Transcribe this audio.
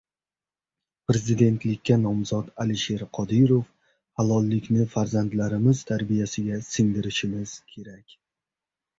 Prezidentlikka nomzod Alisher Qodirov: “Halollikni farzandlarimiz tarbiyasiga singdirishimiz kerak”